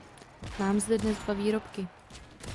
Mám zde dnes dva výrobky.